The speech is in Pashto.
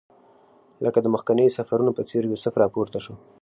لکه د مخکنیو سفرونو په څېر یوسف راپورته شو.